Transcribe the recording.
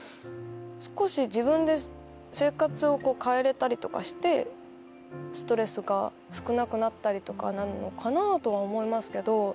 少し自分で生活を変えられたりとかしてストレスが少なくなったりとかなのかなとは思いますけど。